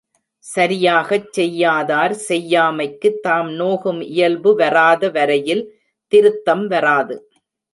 சரியாகச் செய்யாதார், செய்யாமைக்குத் தாம் நோகும் இயல்பு வராத வரையில் திருத்தம் வராது.